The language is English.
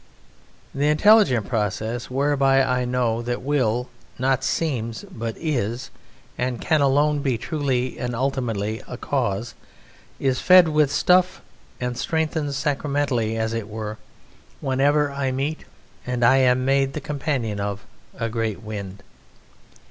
The intelligent process whereby I know that Will not seems but is, and can alone be truly and ultimately a cause, is fed with stuff and strengthens sacramentally as it were, whenever I meet, and am made the companion of, a great wind.